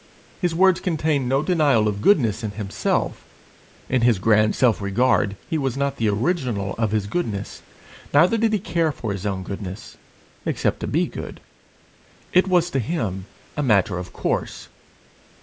His words contain no denial of goodness in himself: in his grand self regard he was not the original of his goodness, neither did he care for his own goodness, except to be good: it was to him a matter of course.